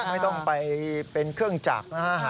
ไม่ต้องไปเป็นเครื่องจักรนะฮะ